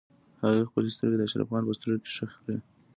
هغې خپلې سترګې د اشرف خان په سترګو کې ښخې کړې.